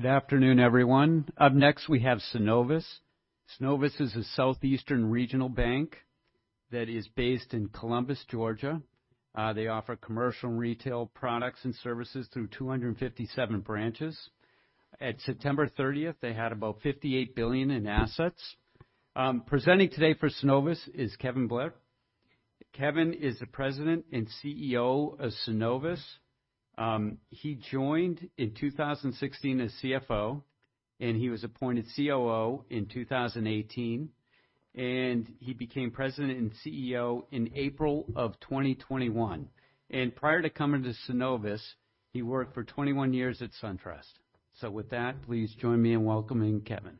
Good afternoon, everyone. Up next, we have Synovus. Synovus is a Southeastern regional bank that is based in Columbus, Georgia. They offer commercial and retail products and services through 257 branches. At September 30th, they had about $58 billion in assets. Presenting today for Synovus is Kevin Blair. Kevin is the President and CEO of Synovus. He joined in 2016 as CFO, and he was appointed COO in 2018, and he became President and CEO in April of 2021. Prior to coming to Synovus, he worked for 21 years at SunTrust. With that, please join me in welcoming Kevin.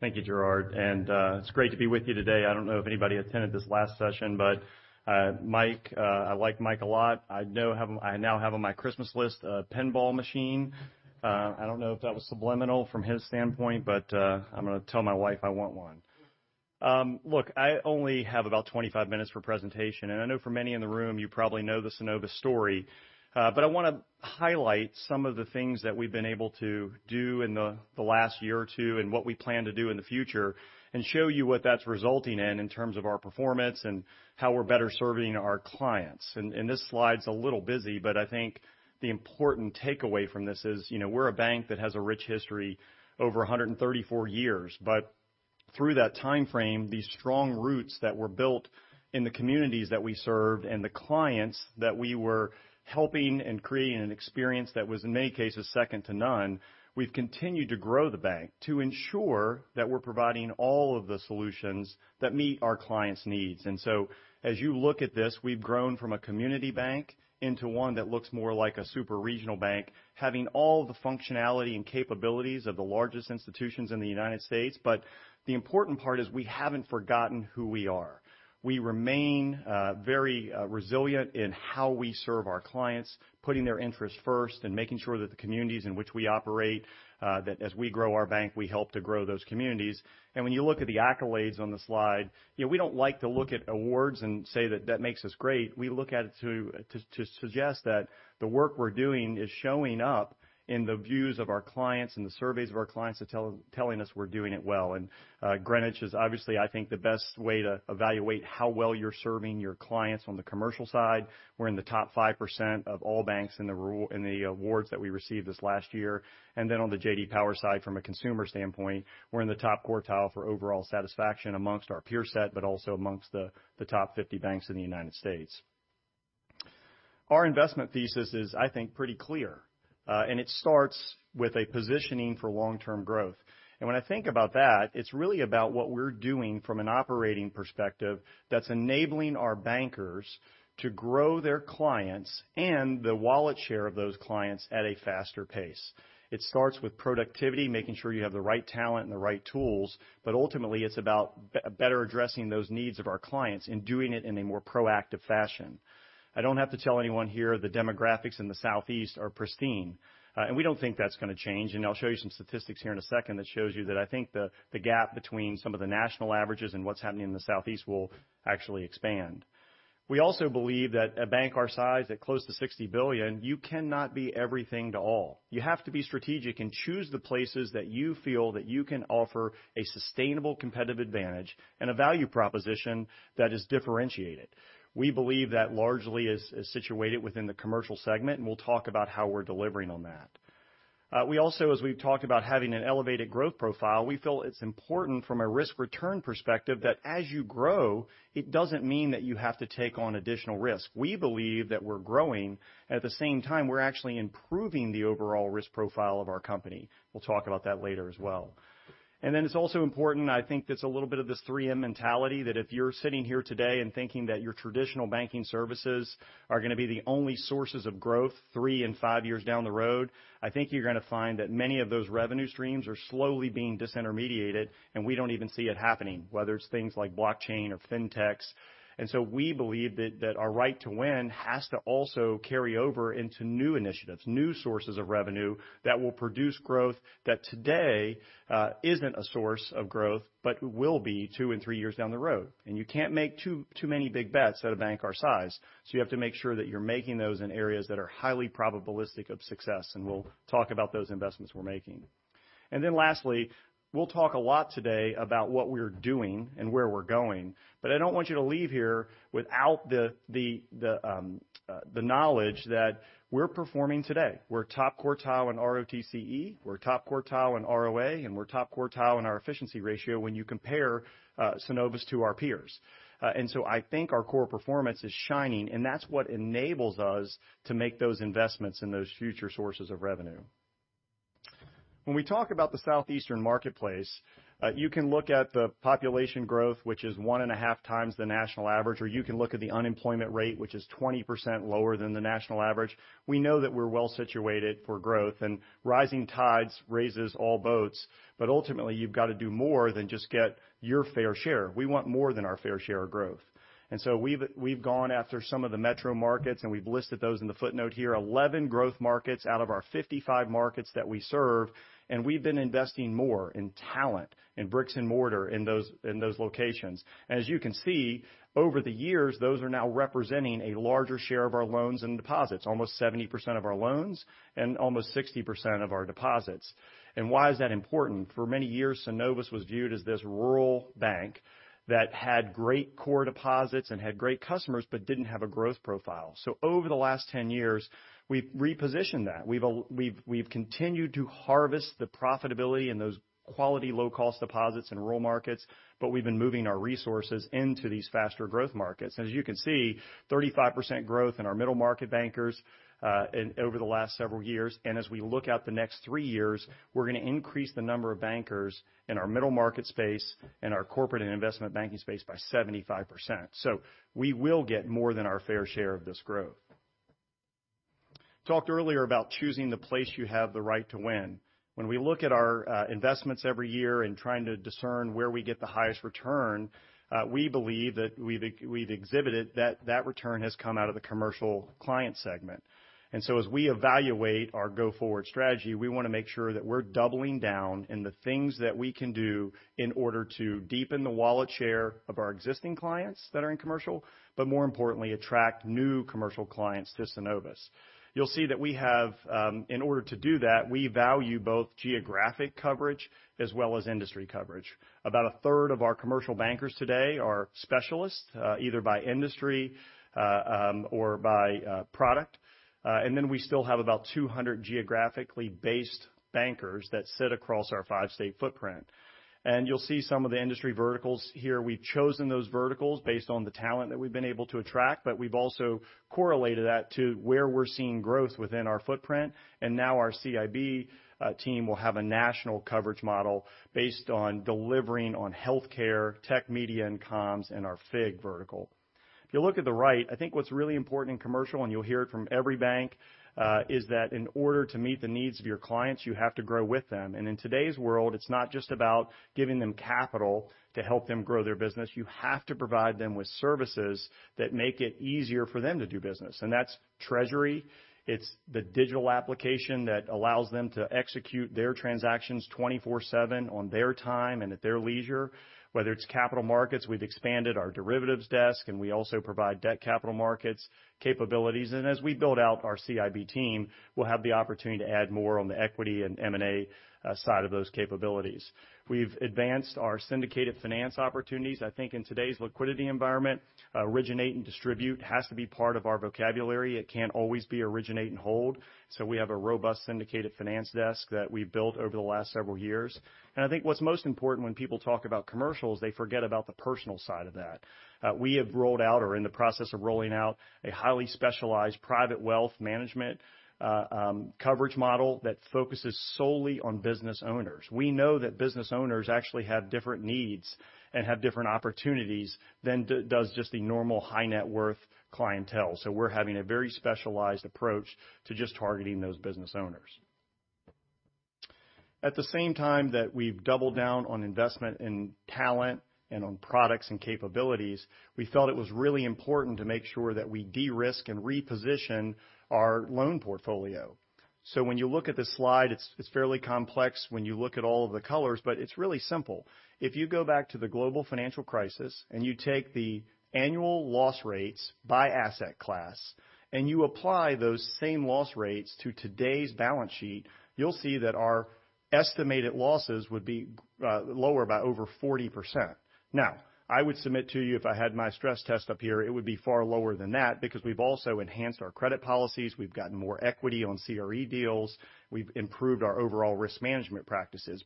Thank you, Gerard. It's great to be with you today. I don't know if anybody attended this last session, but Mike, I like Mike a lot. I now have on my Christmas list a pinball machine. I don't know if that was subliminal from his standpoint, but I'm gonna tell my wife I want one. Look, I only have about 25 minutes for presentation, and I know for many in the room, you probably know the Synovus story. I wanna highlight some of the things that we've been able to do in the last year or two and what we plan to do in the future and show you what that's resulting in in terms of our performance and how we're better serving our clients. This slide's a little busy, but I think the important takeaway from this is, you know, we're a bank that has a rich history over 134 years. Through that timeframe, the strong roots that were built in the communities that we served and the clients that we were helping and creating an experience that was, in many cases, second to none, we've continued to grow the bank to ensure that we're providing all of the solutions that meet our clients' needs. As you look at this, we've grown from a community bank into one that looks more like a super regional bank, having all the functionality and capabilities of the largest institutions in the United States. The important part is we haven't forgotten who we are. We remain very resilient in how we serve our clients, putting their interests first and making sure that the communities in which we operate that as we grow our bank, we help to grow those communities. When you look at the accolades on the slide, you know, we don't like to look at awards and say that makes us great. We look at it to suggest that the work we're doing is showing up in the views of our clients and the surveys of our clients telling us we're doing it well. Greenwich is obviously, I think, the best way to evaluate how well you're serving your clients on the commercial side. We're in the top 5% of all banks in the awards that we received this last year. On the J.D. Power side, from a consumer standpoint, we're in the top quartile for overall satisfaction amongst our peer set, but also amongst the top 50 banks in the United States. Our investment thesis is, I think, pretty clear. It starts with a positioning for long-term growth. When I think about that, it's really about what we're doing from an operating perspective that's enabling our bankers to grow their clients and the wallet share of those clients at a faster pace. It starts with productivity, making sure you have the right talent and the right tools, but ultimately, it's about better addressing those needs of our clients and doing it in a more proactive fashion. I don't have to tell anyone here the demographics in the Southeast are pristine, and we don't think that's gonna change. I'll show you some statistics here in a second that shows you that I think the gap between some of the national averages and what's happening in the Southeast will actually expand. We also believe that a bank our size at close to $60 billion, you cannot be everything to all. You have to be strategic and choose the places that you feel that you can offer a sustainable competitive advantage and a value proposition that is differentiated. We believe that largely is situated within the commercial segment, and we'll talk about how we're delivering on that. We also, as we've talked about having an elevated growth profile, we feel it's important from a risk-return perspective that as you grow, it doesn't mean that you have to take on additional risk. We believe that we're growing. At the same time, we're actually improving the overall risk profile of our company. We'll talk about that later as well. Then it's also important, I think that's a little bit of this 3M mentality, that if you're sitting here today and thinking that your traditional banking services are gonna be the only sources of growth three and five years down the road, I think you're gonna find that many of those revenue streams are slowly being disintermediated, and we don't even see it happening, whether it's things like blockchain or fintechs. We believe that our right to win has to also carry over into new initiatives, new sources of revenue that will produce growth that today isn't a source of growth, but will be two and three years down the road. You can't make too many big bets at a bank our size. So you have to make sure that you're making those in areas that are highly probabilistic of success, and we'll talk about those investments we're making. Then lastly, we'll talk a lot today about what we're doing and where we're going. I don't want you to leave here without the knowledge that we're performing today. We're top quartile in ROTCE, we're top quartile in ROA, and we're top quartile in our efficiency ratio when you compare Synovus to our peers. I think our core performance is shining, and that's what enables us to make those investments in those future sources of revenue. When we talk about the Southeastern marketplace, you can look at the population growth, which is 1.5x the national average, or you can look at the unemployment rate, which is 20% lower than the national average. We know that we're well-situated for growth, and rising tides raises all boats. Ultimately, you've got to do more than just get your fair share. We want more than our fair share of growth. We've gone after some of the metro markets, and we've listed those in the footnote here, 11 growth markets out of our 55 markets that we serve. We've been investing more in talent, in bricks and mortar in those locations. As you can see, over the years, those are now representing a larger share of our loans and deposits, almost 70% of our loans and almost 60% of our deposits. Why is that important? For many years, Synovus was viewed as this rural bank that had great core deposits and had great customers, but didn't have a growth profile. Over the last 10 years, we've repositioned that. We've continued to harvest the profitability in those quality low-cost deposits in rural markets, but we've been moving our resources into these faster growth markets. As you can see, 35% growth in our middle market bankers over the last several years. As we look out the next three years, we're gonna increase the number of bankers in our middle market space and our corporate and investment banking space by 75%. We will get more than our fair share of this growth. Talked earlier about choosing the place you have the right to win. When we look at our investments every year and trying to discern where we get the highest return, we believe that we've exhibited that return has come out of the commercial client segment. As we evaluate our go-forward strategy, we wanna make sure that we're doubling down in the things that we can do in order to deepen the wallet share of our existing clients that are in commercial, but more importantly, attract new commercial clients to Synovus. You'll see that we have, in order to do that, we value both geographic coverage as well as industry coverage. About a third of our commercial bankers today are specialists, either by industry or by product. We still have about 200 geographically based bankers that sit across our five-state footprint. You'll see some of the industry verticals here. We've chosen those verticals based on the talent that we've been able to attract, but we've also correlated that to where we're seeing growth within our footprint. Now our CIB team will have a national coverage model based on delivering on healthcare, tech media and comms, and our FIG vertical. If you look at the right, I think what's really important in commercial, and you'll hear it from every bank, is that in order to meet the needs of your clients, you have to grow with them. In today's world, it's not just about giving them capital to help them grow their business. You have to provide them with services that make it easier for them to do business. That's treasury. It's the digital application that allows them to execute their transactions 24/7 on their time and at their leisure. Whether it's capital markets, we've expanded our derivatives desk, and we also provide debt capital markets capabilities. As we build out our CIB team, we'll have the opportunity to add more on the equity and M&A side of those capabilities. We've advanced our syndicated finance opportunities. I think in today's liquidity environment, originate and distribute has to be part of our vocabulary. It can't always be originate and hold. We have a robust syndicated finance desk that we built over the last several years. I think what's most important when people talk about commercial is they forget about the personal side of that. We have rolled out or are in the process of rolling out a highly specialized private wealth management, coverage model that focuses solely on business owners. We know that business owners actually have different needs and have different opportunities than does just the normal high net worth clientele. We're having a very specialized approach to just targeting those business owners. At the same time that we've doubled down on investment in talent and on products and capabilities, we felt it was really important to make sure that we de-risk and reposition our loan portfolio. When you look at this slide, it's fairly complex when you look at all of the colors, but it's really simple. If you go back to the global financial crisis and you take the annual loss rates by asset class and you apply those same loss rates to today's balance sheet, you'll see that our estimated losses would be lower by over 40%. Now, I would submit to you if I had my stress test up here, it would be far lower than that because we've also enhanced our credit policies. We've gotten more equity on CRE deals. We've improved our overall risk management practices.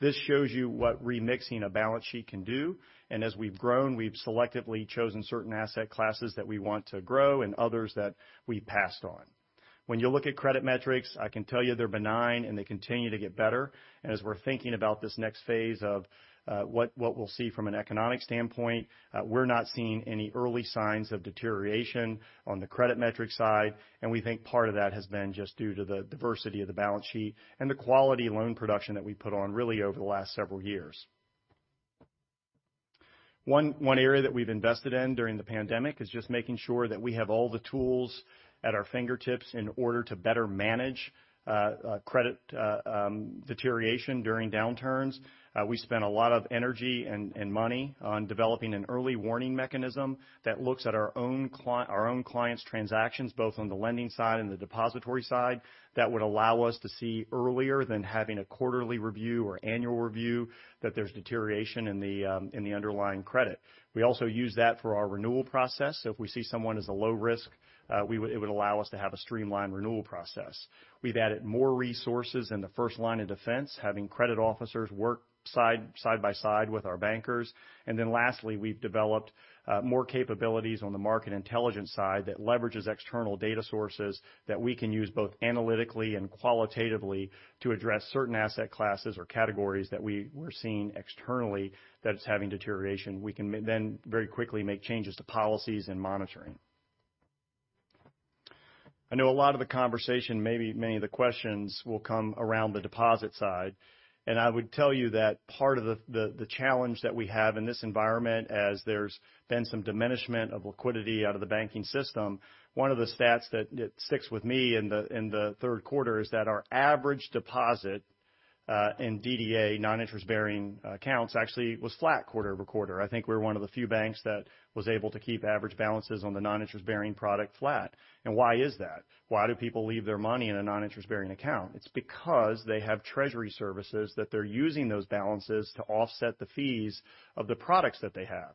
This shows you what remixing a balance sheet can do. As we've grown, we've selectively chosen certain asset classes that we want to grow and others that we passed on. When you look at credit metrics, I can tell you they're benign and they continue to get better. As we're thinking about this next phase of what we'll see from an economic standpoint, we're not seeing any early signs of deterioration on the credit metric side, and we think part of that has been just due to the diversity of the balance sheet and the quality loan production that we put on really over the last several years. One area that we've invested in during the pandemic is just making sure that we have all the tools at our fingertips in order to better manage credit deterioration during downturns. We spent a lot of energy and money on developing an early warning mechanism that looks at our own clients' transactions, both on the lending side and the depository side, that would allow us to see earlier than having a quarterly review or annual review that there's deterioration in the underlying credit. We also use that for our renewal process. If we see someone as a low risk, it would allow us to have a streamlined renewal process. We've added more resources in the first line of defense, having credit officers work side by side with our bankers. Lastly, we've developed more capabilities on the market intelligence side that leverages external data sources that we can use both analytically and qualitatively to address certain asset classes or categories that we were seeing externally that's having deterioration. We can then very quickly make changes to policies and monitoring. I know a lot of the conversation, maybe many of the questions will come around the deposit side. I would tell you that part of the challenge that we have in this environment as there's been some diminishment of liquidity out of the banking system, one of the stats that sticks with me in the third quarter is that our average deposit in DDA non-interest-bearing accounts actually was flat quarter-over-quarter. I think we're one of the few banks that was able to keep average balances on the non-interest-bearing product flat. Why is that? Why do people leave their money in a non-interest-bearing account? It's because they have treasury services that they're using those balances to offset the fees of the products that they have.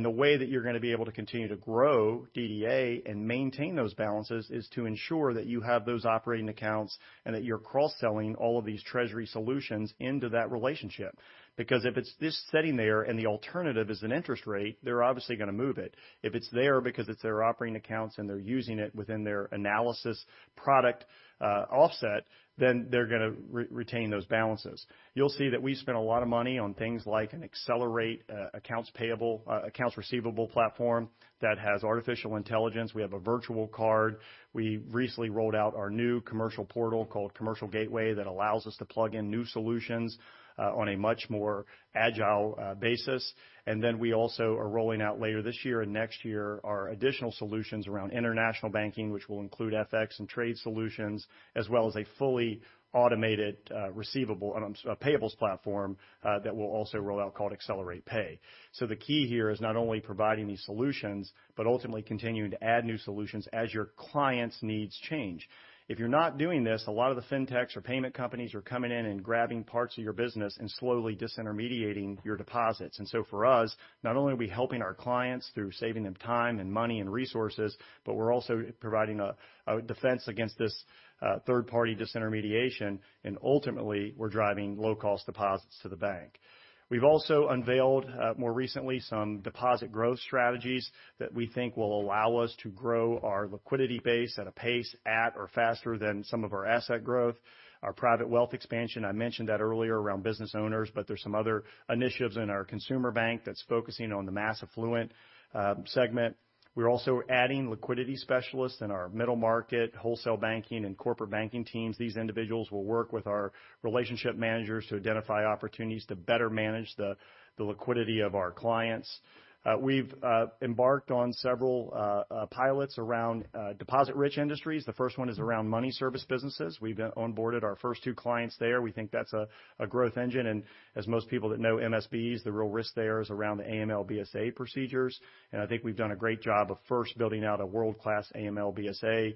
The way that you're gonna be able to continue to grow DDA and maintain those balances is to ensure that you have those operating accounts and that you're cross-selling all of these treasury solutions into that relationship. Because if it's just sitting there and the alternative is an interest rate, they're obviously gonna move it. If it's there because it's their operating accounts and they're using it within their analysis product, offset, then they're gonna retain those balances. You'll see that we spend a lot of money on things like Accelerate Pay, accounts payable, accounts receivable platform that has artificial intelligence. We have a virtual card. We recently rolled out our new commercial portal called Synovus Gateway that allows us to plug in new solutions, on a much more agile, basis. We also are rolling out later this year and next year our additional solutions around international banking, which will include FX and trade solutions, as well as a fully automated, receivable, payables platform, that we'll also roll out called Accelerate Pay. The key here is not only providing these solutions, but ultimately continuing to add new solutions as your clients' needs change. If you're not doing this, a lot of the fintechs or payment companies are coming in and grabbing parts of your business and slowly disintermediating your deposits. For us, not only are we helping our clients through saving them time and money and resources, but we're also providing a defense against this third-party disintermediation, and ultimately, we're driving low-cost deposits to the bank. We've also unveiled more recently some deposit growth strategies that we think will allow us to grow our liquidity base at a pace at or faster than some of our asset growth. Our private wealth expansion, I mentioned that earlier around business owners, but there's some other initiatives in our consumer bank that's focusing on the mass affluent segment. We're also adding liquidity specialists in our middle market, wholesale banking, and corporate banking teams. These individuals will work with our relationship managers to identify opportunities to better manage the liquidity of our clients. We've embarked on several pilots around deposit-rich industries. The first one is around money services businesses. We've onboarded our first two clients there. We think that's a growth engine. As most people that know MSBs, the real risk there is around the AML/BSA procedures. I think we've done a great job of first building out a world-class AML/BSA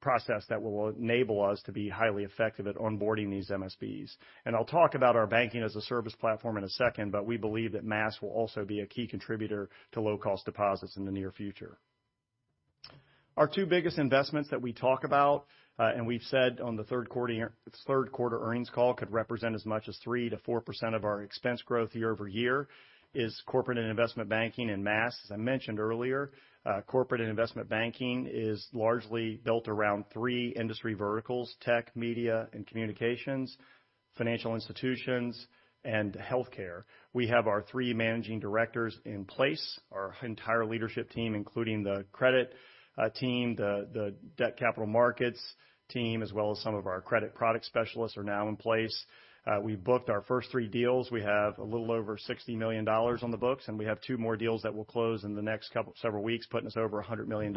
process that will enable us to be highly effective at onboarding these MSBs. I'll talk about our banking as a service platform in a second, but we believe that Maast will also be a key contributor to low-cost deposits in the near future. Our two biggest investments that we talk about, and we've said on the third quarter earnings call could represent as much as 3%-4% of our expense growth year-over-year is corporate and investment banking and Maast. As I mentioned earlier, corporate and investment banking is largely built around three industry verticals, tech, media and communications, financial institutions, and healthcare. We have our three managing directors in place. Our entire leadership team, including the credit team, the debt capital markets team, as well as some of our credit product specialists, are now in place. We've booked our first three deals. We have a little over $60 million on the books, and we have two more deals that will close in the next several weeks, putting us over $100 million.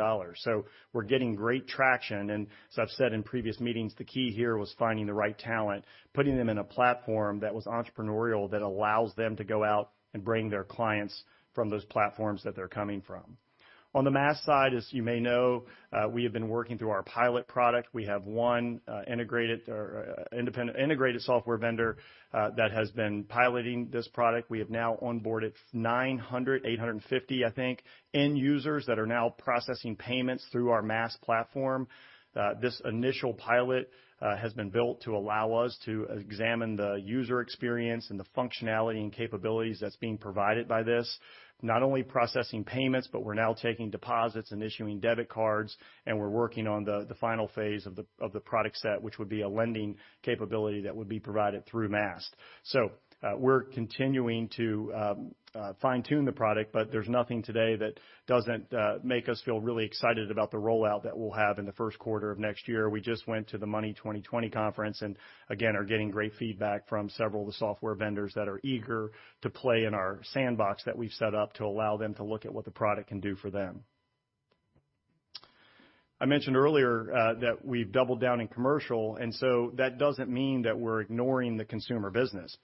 We're getting great traction. I've said in previous meetings, the key here was finding the right talent, putting them in a platform that was entrepreneurial, that allows them to go out and bring their clients from those platforms that they're coming from. On the Maast side, as you may know, we have been working through our pilot product. We have one independent software vendor that has been piloting this product. We have now onboarded 850, I think, end users that are now processing payments through our Maast platform. This initial pilot has been built to allow us to examine the user experience and the functionality and capabilities that's being provided by this, not only processing payments, but we're now taking deposits and issuing debit cards, and we're working on the final phase of the product set, which would be a lending capability that would be provided through Maast. We're continuing to fine-tune the product, but there's nothing today that doesn't make us feel really excited about the rollout that we'll have in the first quarter of next year. We just went to the Money20/20 conference and again, are getting great feedback from several of the software vendors that are eager to play in our sandbox that we've set up to allow them to look at what the product can do for them. I mentioned earlier that we've doubled down in commercial, and so that doesn't mean that we're ignoring the consumer business.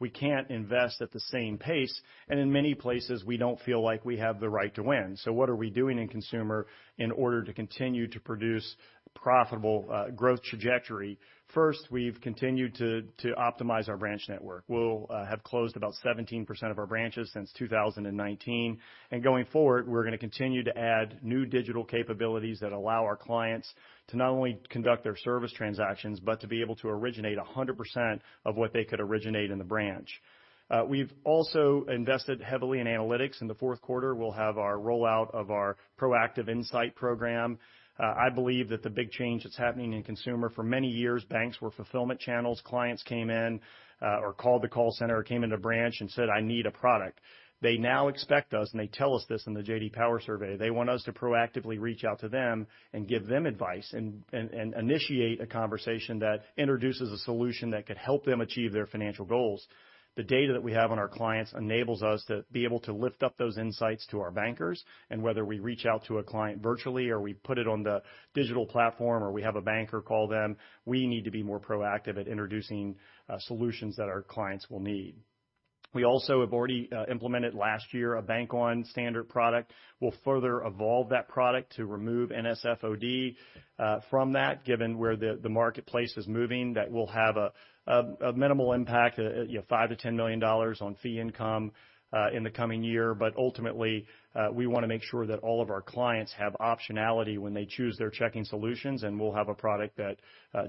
We can't invest at the same pace, and in many places, we don't feel like we have the right to win. What are we doing in consumer in order to continue to produce profitable growth trajectory? First, we've continued to optimize our branch network. We'll have closed about 17% of our branches since 2019. Going forward, we're gonna continue to add new digital capabilities that allow our clients to not only conduct their service transactions, but to be able to originate 100% of what they could originate in the branch. We've also invested heavily in analytics. In the fourth quarter, we'll have our rollout of our proactive insight program. I believe that the big change that's happening in consumer, for many years, banks were fulfillment channels. Clients came in or called the call center or came into branch and said, "I need a product." They now expect us, and they tell us this in the J.D. Power survey. They want us to proactively reach out to them and give them advice and initiate a conversation that introduces a solution that could help them achieve their financial goals. The data that we have on our clients enables us to be able to lift up those insights to our bankers, and whether we reach out to a client virtually or we put it on the digital platform or we have a banker call them, we need to be more proactive at introducing solutions that our clients will need. We also have already implemented last year a bank-owned standard product. We'll further evolve that product to remove NSF/OD from that, given where the marketplace is moving. That will have a minimal impact, you know, $5 million-$10 million on fee income in the coming year. Ultimately, we wanna make sure that all of our clients have optionality when they choose their checking solutions, and we'll have a product that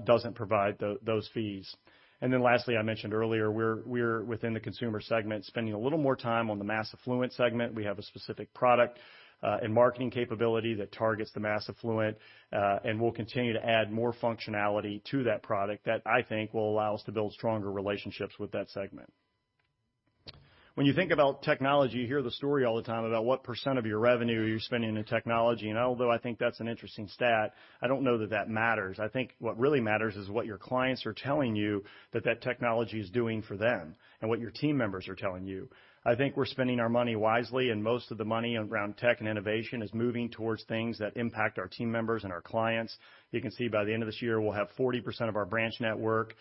doesn't provide those fees. Lastly, I mentioned earlier, we're within the consumer segment, spending a little more time on the mass affluent segment. We have a specific product and marketing capability that targets the mass affluent. We'll continue to add more functionality to that product that I think will allow us to build stronger relationships with that segment. When you think about technology, you hear the story all the time about what % of your revenue are you spending in technology. Although I think that's an interesting stat, I don't know that that matters. I think what really matters is what your clients are telling you that technology is doing for them and what your team members are telling you. I think we're spending our money wisely, and most of the money around tech and innovation is moving towards things that impact our team members and our clients. You can see by the end of this year, we'll have 40% of our branch network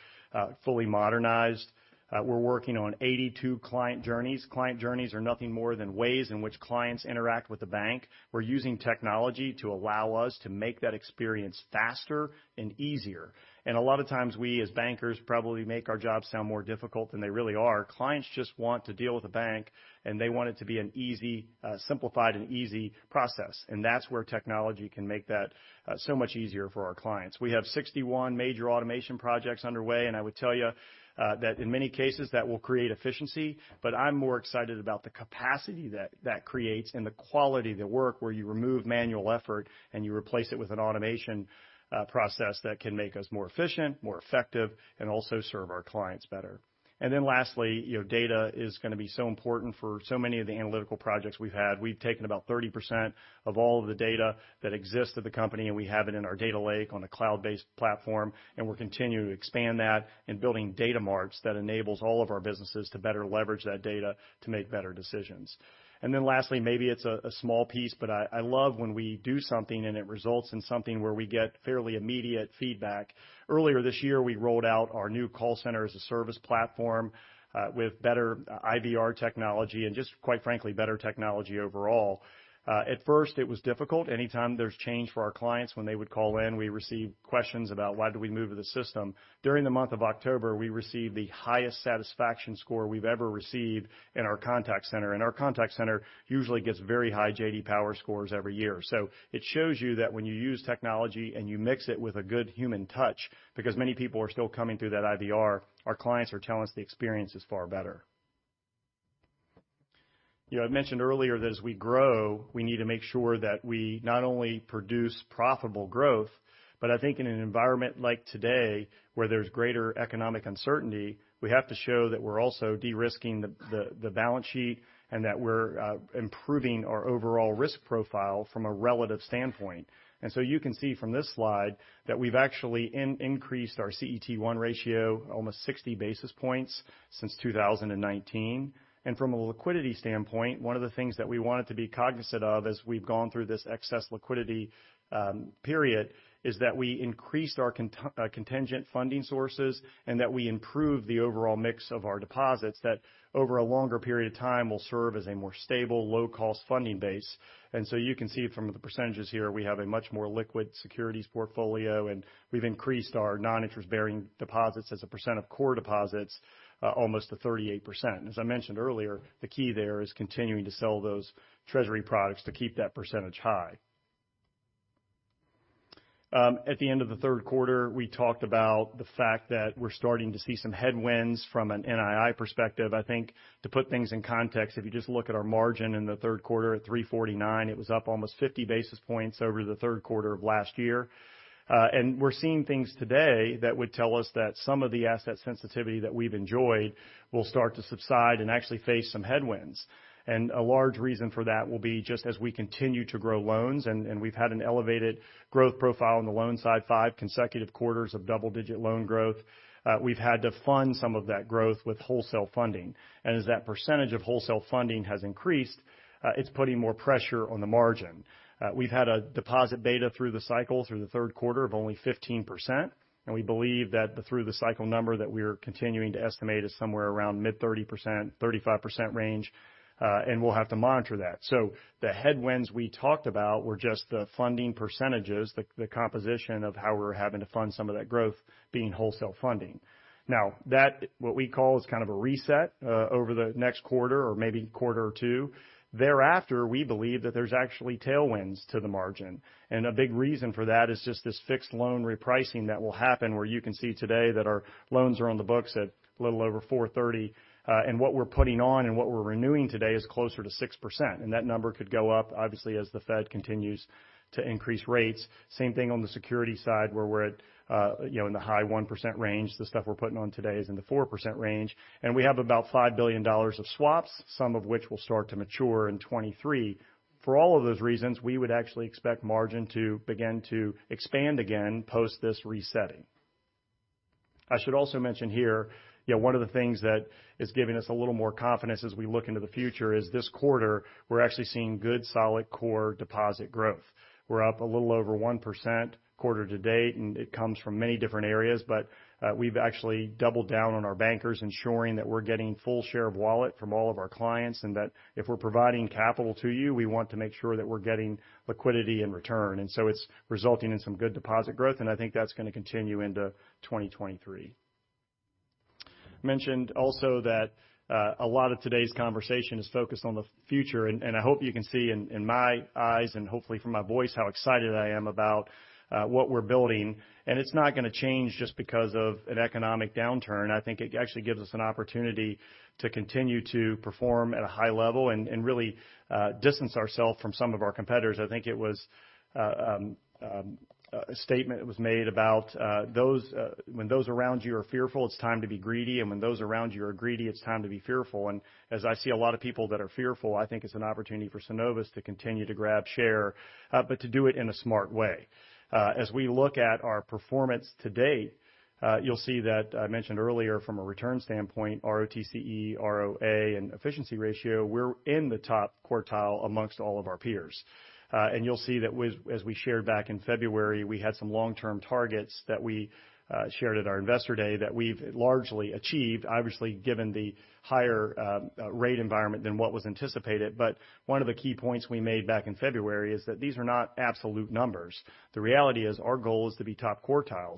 fully modernized. We're working on 82 client journeys. Client journeys are nothing more than ways in which clients interact with the bank. We're using technology to allow us to make that experience faster and easier. A lot of times, we as bankers probably make our jobs sound more difficult than they really are. Clients just want to deal with a bank, and they want it to be an easy, simplified and easy process. That's where technology can make that so much easier for our clients. We have 61 major automation projects underway. I would tell you that in many cases, that will create efficiency, but I'm more excited about the capacity that that creates and the quality of the work where you remove manual effort and you replace it with an automation process that can make us more efficient, more effective, and also serve our clients better. Then lastly, you know, data is gonna be so important for so many of the analytical projects we've had. We've taken about 30% of all of the data that exists at the company, and we have it in our data lake on a cloud-based platform, and we're continuing to expand that and building data marts that enables all of our businesses to better leverage that data to make better decisions. Lastly, maybe it's a small piece, but I love when we do something and it results in something where we get fairly immediate feedback. Earlier this year, we rolled out our new call center as a service platform with better IVR technology and just, quite frankly, better technology overall. At first, it was difficult. Anytime there's change for our clients when they would call in, we received questions about why did we move the system. During the month of October, we received the highest satisfaction score we've ever received in our contact center. Our contact center usually gets very high J.D. Power scores every year. It shows you that when you use technology and you mix it with a good human touch, because many people are still coming through that IVR, our clients are telling us the experience is far better. You know, I mentioned earlier that as we grow, we need to make sure that we not only produce profitable growth, but I think in an environment like today where there's greater economic uncertainty, we have to show that we're also de-risking the balance sheet and that we're improving our overall risk profile from a relative standpoint. You can see from this slide that we've actually increased our CET1 ratio almost 60 basis points since 2019. From a liquidity standpoint, one of the things that we wanted to be cognizant of as we've gone through this excess liquidity period is that we increased our contingent funding sources and that we improved the overall mix of our deposits that over a longer period of time will serve as a more stable, low-cost funding base. You can see from the percentages here, we have a much more liquid securities portfolio, and we've increased our non-interest-bearing deposits as a percent of core deposits almost to 38%. As I mentioned earlier, the key there is continuing to sell those treasury products to keep that percentage high. At the end of the third quarter, we talked about the fact that we're starting to see some headwinds from an NII perspective. I think to put things in context, if you just look at our margin in the third quarter at 3.49%, it was up almost 50 basis points over the third quarter of last year. We're seeing things today that would tell us that some of the asset sensitivity that we've enjoyed will start to subside and actually face some headwinds. A large reason for that will be just as we continue to grow loans, and we've had an elevated growth profile on the loan side, five consecutive quarters of double-digit loan growth. We've had to fund some of that growth with wholesale funding. As that percentage of wholesale funding has increased, it's putting more pressure on the margin. We've had a deposit beta through the cycle through the third quarter of only 15%. We believe that through the cycle number that we are continuing to estimate is somewhere around mid-30%, 35% range, and we'll have to monitor that. The headwinds we talked about were just the funding percentages, the composition of how we're having to fund some of that growth being wholesale funding. Now, that what we call is kind of a reset, over the next quarter or maybe quarter or two. Thereafter, we believe that there's actually tailwinds to the margin. A big reason for that is just this fixed loan repricing that will happen where you can see today that our loans are on the books at a little over 4.30%. What we're putting on and what we're renewing today is closer to 6%. That number could go up, obviously, as the Fed continues to increase rates. Same thing on the security side where we're at, you know, in the high 1% range. The stuff we're putting on today is in the 4% range. We have about $5 billion of swaps, some of which will start to mature in 2023. For all of those reasons, we would actually expect margin to begin to expand again post this resetting. I should also mention here, you know, one of the things that is giving us a little more confidence as we look into the future is this quarter we're actually seeing good, solid core deposit growth. We're up a little over 1% quarter-to-date, and it comes from many different areas. We've actually doubled down on our bankers, ensuring that we're getting full share of wallet from all of our clients, and that if we're providing capital to you, we want to make sure that we're getting liquidity in return. It's resulting in some good deposit growth, and I think that's gonna continue into 2023. Mentioned also that a lot of today's conversation is focused on the future, and I hope you can see in my eyes and hopefully from my voice how excited I am about what we're building. It's not gonna change just because of an economic downturn. I think it actually gives us an opportunity to continue to perform at a high level and really distance ourselves from some of our competitors. I think it was a statement that was made about those when those around you are fearful, it's time to be greedy. When those around you are greedy, it's time to be fearful. As I see a lot of people that are fearful, I think it's an opportunity for Synovus to continue to grab share, but to do it in a smart way. As we look at our performance to date, you'll see that I mentioned earlier from a return standpoint, ROTCE, ROA, and efficiency ratio, we're in the top quartile among all of our peers. You'll see that as we shared back in February, we had some long-term targets that we shared at our Investor Day that we've largely achieved, obviously, given the higher rate environment than what was anticipated. One of the key points we made back in February is that these are not absolute numbers. The reality is our goal is to be top quartile.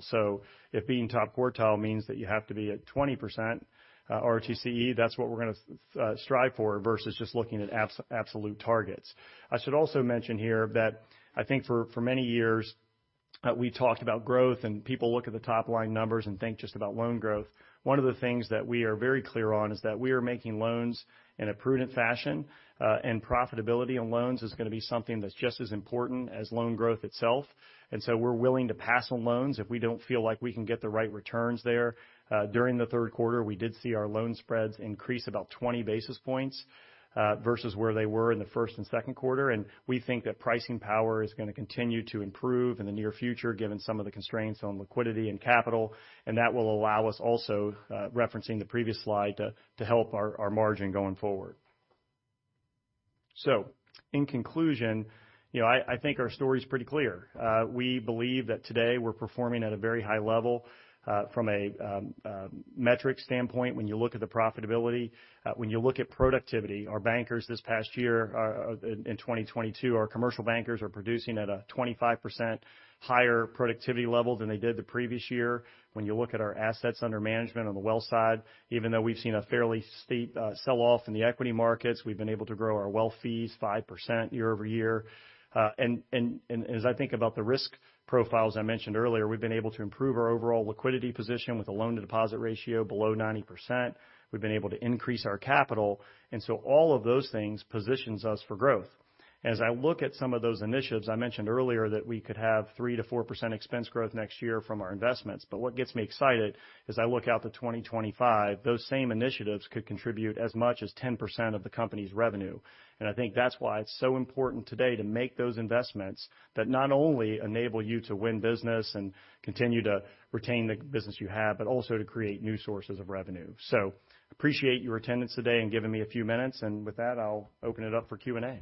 If being top quartile means that you have to be at 20%, ROTCE, that's what we're gonna strive for versus just looking at absolute targets. I should also mention here that I think for many years, we talked about growth, and people look at the top-line numbers and think just about loan growth. One of the things that we are very clear on is that we are making loans in a prudent fashion, and profitability on loans is gonna be something that's just as important as loan growth itself. We're willing to pass on loans if we don't feel like we can get the right returns there. During the third quarter, we did see our loan spreads increase about 20 basis points versus where they were in the first and second quarter. We think that pricing power is gonna continue to improve in the near future given some of the constraints on liquidity and capital, and that will allow us also, referencing the previous slide, to help our margin going forward. In conclusion, you know, I think our story's pretty clear. We believe that today we're performing at a very high level from a metric standpoint when you look at the profitability. When you look at productivity, our bankers this past year in 2022, our commercial bankers are producing at a 25% higher productivity level than they did the previous year. When you look at our assets under management on the wealth side, even though we've seen a fairly steep sell-off in the equity markets, we've been able to grow our wealth fees 5% year-over-year. As I think about the risk profiles I mentioned earlier, we've been able to improve our overall liquidity position with a loan-to-deposit ratio below 90%. We've been able to increase our capital. All of those things positions us for growth. As I look at some of those initiatives, I mentioned earlier that we could have 3%-4% expense growth next year from our investments. What gets me excited as I look out to 2025, those same initiatives could contribute as much as 10% of the company's revenue. I think that's why it's so important today to make those investments that not only enable you to win business and continue to retain the business you have, but also to create new sources of revenue. Appreciate your attendance today and giving me a few minutes. With that, I'll open it up for Q&A.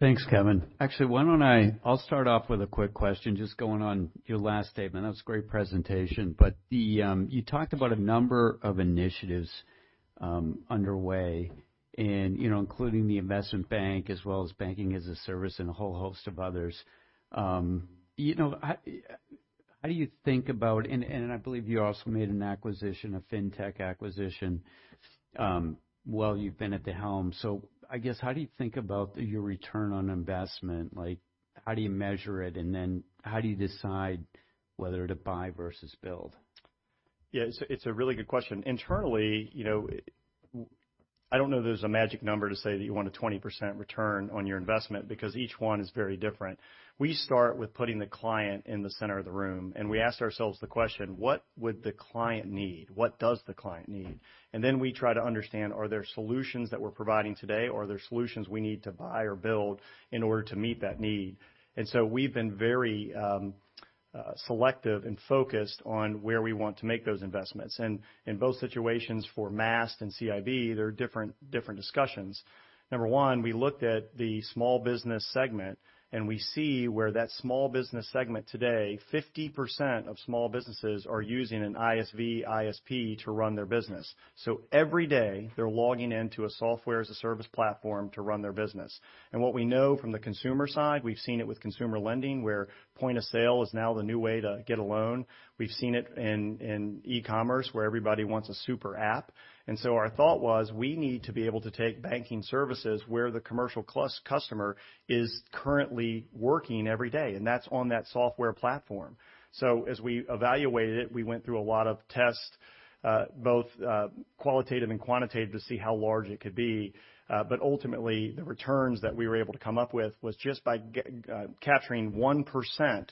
Thanks, Kevin. Actually, why don't I start off with a quick question just going on your last statement. That was a great presentation. You talked about a number of initiatives underway and, you know, including the investment bank as well as Banking as a Service and a whole host of others. You know, how do you think about and I believe you also made an acquisition, a fintech acquisition while you've been at the helm. I guess, how do you think about your return on investment? Like, how do you measure it? How do you decide whether to buy versus build? Yeah, it's a really good question. Internally, you know, I don't know if there's a magic number to say that you want a 20% return on your investment because each one is very different. We start with putting the client in the center of the room, and we ask ourselves the question, what would the client need? What does the client need? Then we try to understand, are there solutions that we're providing today or are there solutions we need to buy or build in order to meet that need? We've been very selective and focused on where we want to make those investments. In both situations for Maast and CIB, they're different discussions. Number one, we looked at the small business segment, and we see where that small business segment today, 50% of small businesses are using an ISV, ISP to run their business. Every day, they're logging into a software-as-a-service platform to run their business. What we know from the consumer side, we've seen it with consumer lending, where point of sale is now the new way to get a loan. We've seen it in e-commerce, where everybody wants a super app. Our thought was we need to be able to take banking services where the commercial customer is currently working every day, and that's on that software platform. As we evaluated it, we went through a lot of tests, both qualitative and quantitative to see how large it could be. Ultimately, the returns that we were able to come up with was just by capturing 1%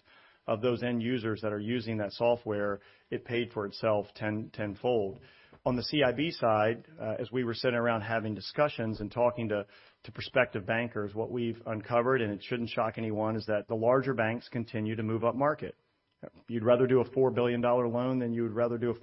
of those end users that are using that software, it paid for itself tenfold. On the CIB side, as we were sitting around having discussions and talking to prospective bankers, what we've uncovered, and it shouldn't shock anyone, is that the larger banks continue to move upmarket. You'd rather do a $4 billion loan than a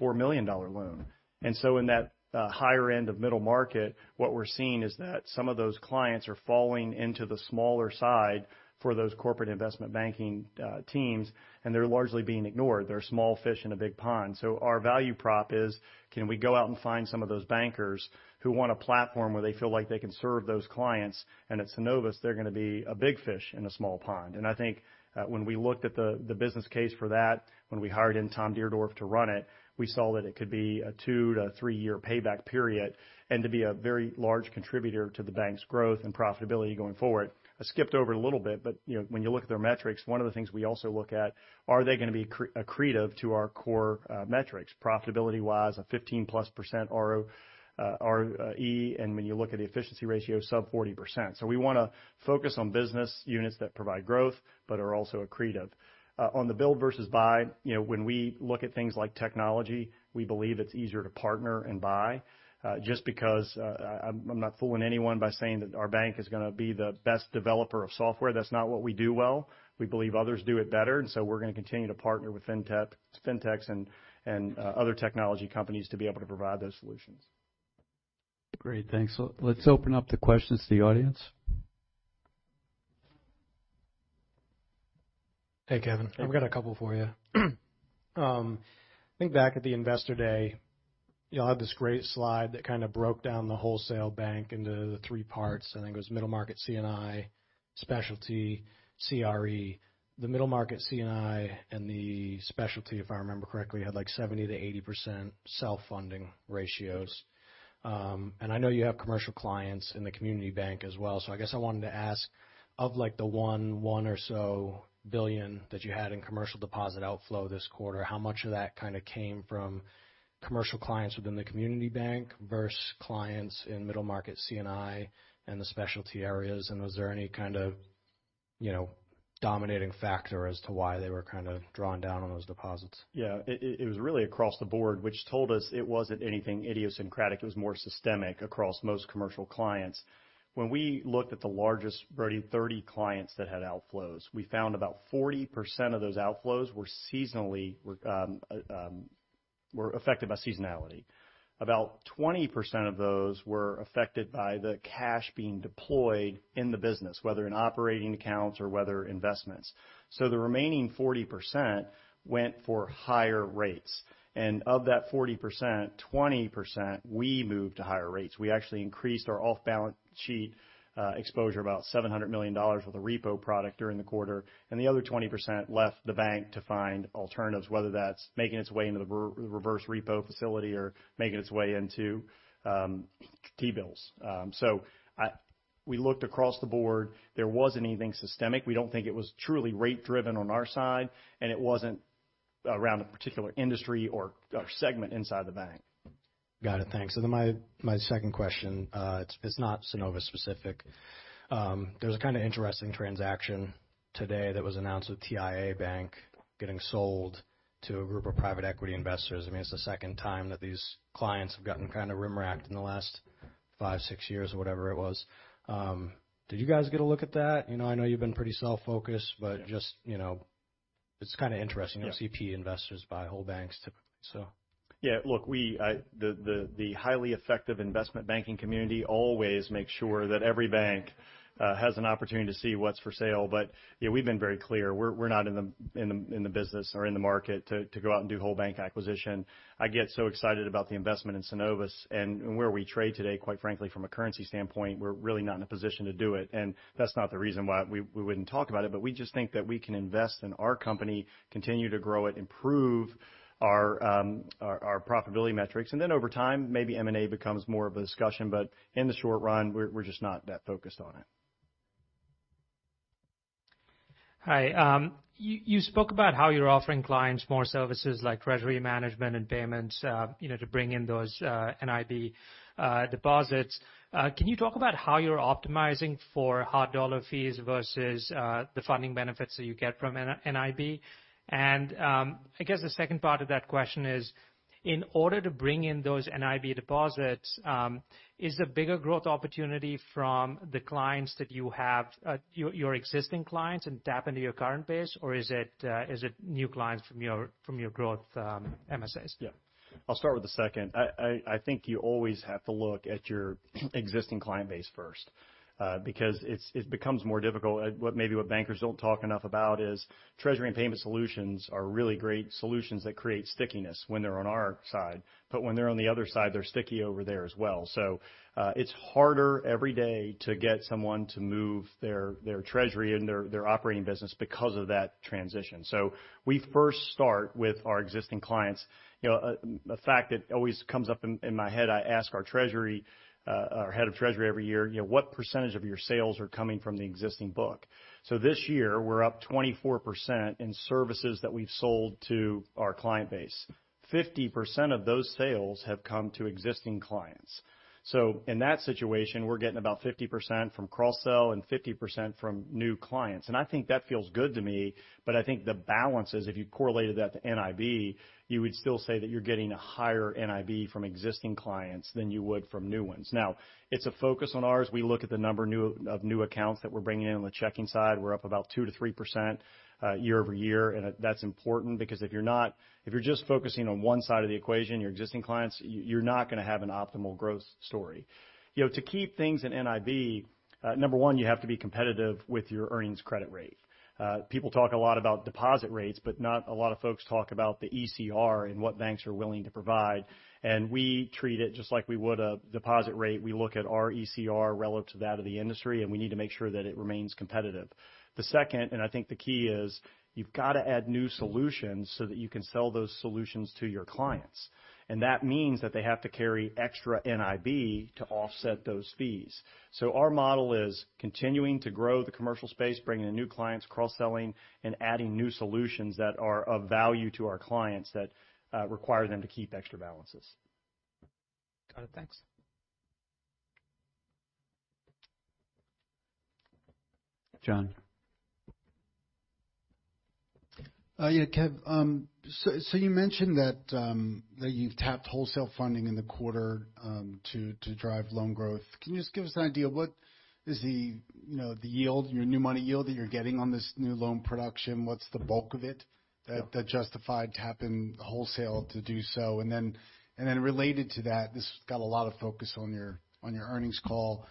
$4 million loan. In that higher end of middle market, what we're seeing is that some of those clients are falling into the smaller side for those corporate investment banking teams, and they're largely being ignored. They're small fish in a big pond. Our value prop is, can we go out and find some of those bankers who want a platform where they feel like they can serve those clients. At Synovus, they're gonna be a big fish in a small pond. I think that when we looked at the business case for that, when we hired in Tom Deardorff to run it, we saw that it could be a two to three year payback period and to be a very large contributor to the bank's growth and profitability going forward. I skipped over a little bit, but you know, when you look at their metrics, one of the things we also look at, are they gonna be accretive to our core metrics. Profitability-wise, a 15%+ ROE, and when you look at the efficiency ratio, sub-40%. We wanna focus on business units that provide growth but are also accretive. On the build versus buy, you know, when we look at things like technology, we believe it's easier to partner and buy, just because, I'm not fooling anyone by saying that our bank is gonna be the best developer of software. That's not what we do well. We believe others do it better, we're gonna continue to partner with fintechs and other technology companies to be able to provide those solutions. Great. Thanks. Let's open up the questions to the audience. Hey, Kevin. Hey. I've got a couple for you. I think back at the Investor Day, y'all had this great slide that kind of broke down the wholesale bank into the three parts. I think it was middle market C&I, specialty, CRE. The middle market C&I and the specialty, if I remember correctly, had, like 70%-80% self-funding ratios. I know you have commercial clients in the community bank as well. I guess I wanted to ask, of, like, the $1.1 billion or so that you had in commercial deposit outflow this quarter, how much of that kind of came from commercial clients within the community bank versus clients in middle market C&I and the specialty areas? And was there any kind of, you know, dominating factor as to why they were kind of drawn down on those deposits? Yeah. It was really across the board, which told us it wasn't anything idiosyncratic. It was more systemic across most commercial clients. When we looked at the largest 30 clients that had outflows, we found about 40% of those outflows were affected by seasonality. About 20% of those were affected by the cash being deployed in the business, whether in operating accounts or whether investments. The remaining 40% went for higher rates. Of that 40%, 20% we moved to higher rates. We actually increased our off-balance sheet exposure about $700 million with a repo product during the quarter, and the other 20% left the bank to find alternatives, whether that's making its way into the reverse repo facility or making its way into T-bills. I... We looked across the board. There wasn't anything systemic. We don't think it was truly rate driven on our side, and it wasn't around a particular industry or segment inside the bank. Got it. Thanks. My second question, it's not Synovus specific. There was a kinda interesting transaction today that was announced with TIAA Bank getting sold to a group of private equity investors. I mean, it's the second time that these clients have gotten kind of run ragged in the last five, six years or whatever it was. Did you guys get a look at that? You know, I know you've been pretty self-focused, but just. Yeah. You know, it's kinda interesting. Yeah. You don't see PE investors buy whole banks typically, so. Yeah. Look, the highly effective investment banking community always makes sure that every bank has an opportunity to see what's for sale. Yeah, we've been very clear. We're not in the business or in the market to go out and do whole bank acquisition. I get so excited about the investment in Synovus and where we trade today, quite frankly, from a currency standpoint, we're really not in a position to do it. That's not the reason why we wouldn't talk about it, but we just think that we can invest in our company, continue to grow it, improve our profitability metrics. Then over time, maybe M&A becomes more of a discussion. In the short run, we're just not that focused on it. Hi. You spoke about how you're offering clients more services like treasury management and payments, you know, to bring in those NIB deposits. Can you talk about how you're optimizing for hard dollar fees versus the funding benefits that you get from NIB? I guess the second part of that question is, in order to bring in those NIB deposits, is the bigger growth opportunity from the clients that you have, your existing clients and tap into your current base? Or is it new clients from your growth MSAs? Yeah. I'll start with the second. I think you always have to look at your existing client base first, because it becomes more difficult. Maybe what bankers don't talk enough about is treasury and payment solutions are really great solutions that create stickiness when they're on our side. When they're on the other side, they're sticky over there as well. It's harder every day to get someone to move their treasury and their operating business because of that transition. We first start with our existing clients. You know, a fact that always comes up in my head, I ask our head of treasury every year, you know, "What percentage of your sales are coming from the existing book?" This year, we're up 24% in services that we've sold to our client base. 50% of those sales have come to existing clients. In that situation, we're getting about 50% from cross-sell and 50% from new clients. I think that feels good to me, but I think the balance is, if you correlated that to NIB, you would still say that you're getting a higher NIB from existing clients than you would from new ones. Now, it's a focus on ours. We look at the number of new accounts that we're bringing in on the checking side. We're up about 2%-3% year-over-year. That's important because if you're just focusing on one side of the equation, your existing clients, you're not gonna have an optimal growth story. You know, to keep things in NIB, number one, you have to be competitive with your earnings credit rate. People talk a lot about deposit rates, but not a lot of folks talk about the ECR and what banks are willing to provide. We treat it just like we would a deposit rate. We look at our ECR relative to that of the industry, and we need to make sure that it remains competitive. The second, and I think the key is, you've gotta add new solutions so that you can sell those solutions to your clients. That means that they have to carry extra NIB to offset those fees. Our model is continuing to grow the commercial space, bringing in new clients, cross-selling and adding new solutions that are of value to our clients that require them to keep extra balances. Got it. Thanks. Jon. Yeah, Kevin. So you mentioned that you've tapped wholesale funding in the quarter to drive loan growth. Can you just give us an idea of what is the yield, you know, your new money yield that you're getting on this new loan production? What's the bulk of it that justified tapping wholesale to do so? Then related to that, this got a lot of focus on your earnings call.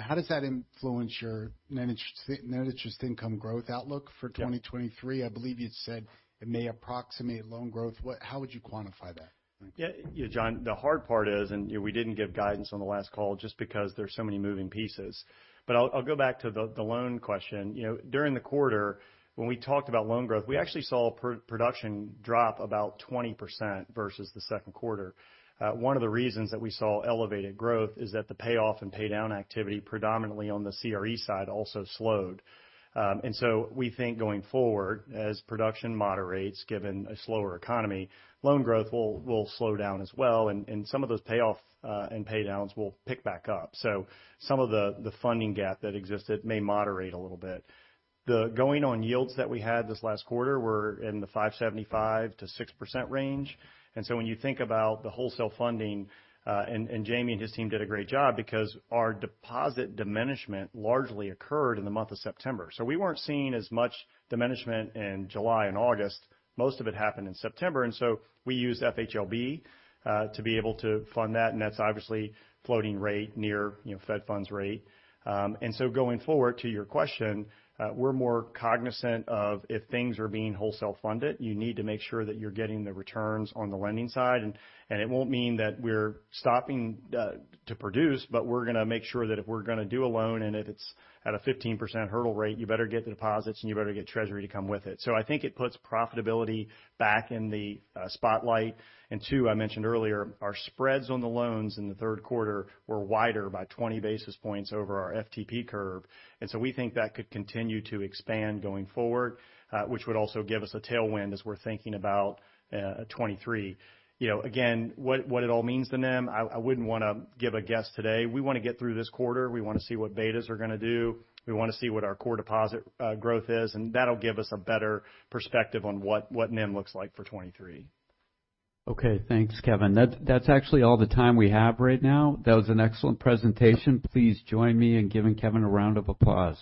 How does that influence your net interest income growth outlook for 2023? I believe you'd said it may approximate loan growth. How would you quantify that? Yeah, Jon, the hard part is, you know, we didn't give guidance on the last call just because there's so many moving pieces. I'll go back to the loan question. You know, during the quarter, when we talked about loan growth, we actually saw production drop about 20% versus the second quarter. One of the reasons that we saw elevated growth is that the payoff and pay down activity, predominantly on the CRE side, also slowed. We think going forward, as production moderates given a slower economy, loan growth will slow down as well, and some of those payoff and pay downs will pick back up. Some of the funding gap that existed may moderate a little bit. The ongoing yields that we had this last quarter were in the 5.75%-6% range. When you think about the wholesale funding, and Jamie and his team did a great job because our deposit diminishment largely occurred in the month of September. We weren't seeing as much diminishment in July and August. Most of it happened in September. We used FHLB to be able to fund that, and that's obviously floating rate near, you know, Fed funds rate. Going forward, to your question, we're more cognizant of if things are being wholesale funded, you need to make sure that you're getting the returns on the lending side. It won't mean that we're stopping to produce, but we're gonna make sure that if we're gonna do a loan and if it's at a 15% hurdle rate, you better get the deposits and you better get Treasury to come with it. I think it puts profitability back in the spotlight. Two, I mentioned earlier, our spreads on the loans in the third quarter were wider by 20 basis points over our FTP curve. We think that could continue to expand going forward, which would also give us a tailwind as we're thinking about 2023. You know, again, what it all means to NIM, I wouldn't wanna give a guess today. We wanna get through this quarter. We wanna see what betas are gonna do. We wanna see what our core deposit growth is, and that'll give us a better perspective on what NIM looks like for 2023. Okay. Thanks, Kevin. That's actually all the time we have right now. That was an excellent presentation. Please join me in giving Kevin a round of applause.